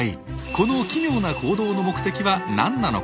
この奇妙な行動の目的は何なのか。